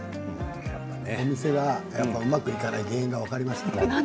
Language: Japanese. お店がうまくいかない原因が分かりました。